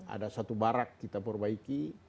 ada satu barak kita perbaiki